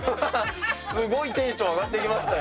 すごいテンション上がってきましたよ。